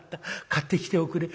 買ってきておくれ」。